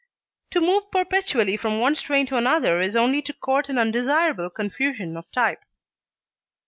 To move perpetually from one strain to another is only to court an undesirable confusion of type.